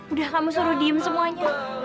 udah kamu suruh diem semuanya